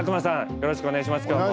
よろしくお願いします、今日も。